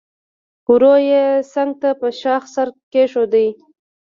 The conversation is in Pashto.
ورو يې څنګ ته په شاخ سر کېښود.